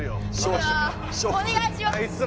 おねがいします！